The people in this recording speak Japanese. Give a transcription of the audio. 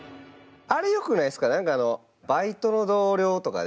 あれよくないですか？